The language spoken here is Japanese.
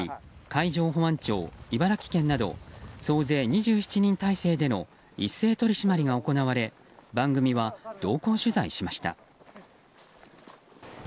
海上保安庁、茨城県など総勢２７人態勢での一斉取り締まりが行われ番組は同行取材しました。